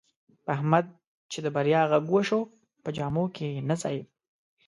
په احمد چې د بریا غږ وشو، په جامو کې نه ځایېدا.